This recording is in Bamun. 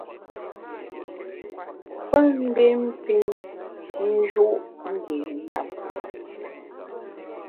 Pe mbin pin nju’ ngé ndem.